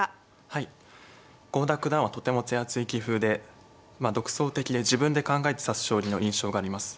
はい郷田九段はとても手厚い棋風で独創的で自分で考えて指す将棋の印象があります。